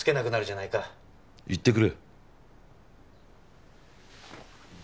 言ってくれ。